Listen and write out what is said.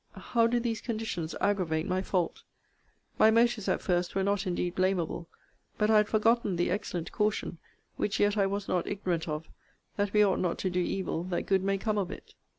How do these conditions aggravate my fault! My motives, at first, were not indeed blamable: but I had forgotten the excellent caution, which yet I was not ignorant of, That we ought not to do evil that good may come of it.